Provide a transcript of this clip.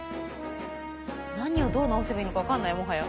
何をどう直せばいいのか分かんないもはや。